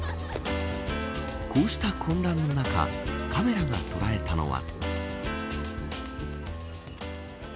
こうした混乱の中カメラが捉えたのは。